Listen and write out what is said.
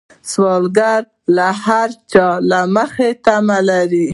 سوالګر د هر چا له مخې تمه لري